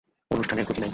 অনুষ্ঠানের ত্রুটি নাই।